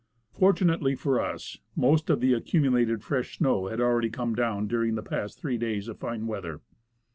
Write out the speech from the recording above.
Fortunately for us, most of the accumulated fresh snow had already come down during the past three days of fine weather, and the rest of it MOUNT ST.